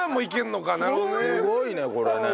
すごいねこれね。